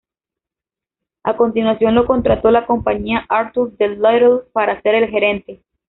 A continuación lo contrató la compañía Arthur D. Little para ser el gerente.